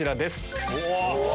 うわ！